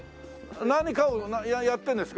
何かをやってるんですか？